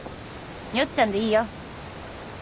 よっちゃんでいいよ。